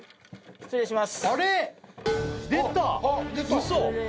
失礼いたします。